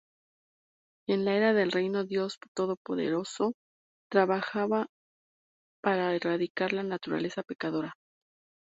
En la Era del Reino Dios Todopoderoso trabaja para erradicar la naturaleza pecadora.